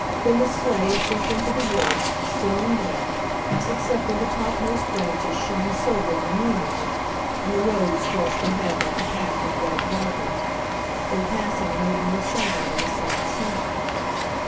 Then the sleigh slipped into the woods, still and dark, except where the topmost branches shone silver in the moonlight, and the road stretched ahead like a path of white velvet. Their passing made no sound on the soft snow.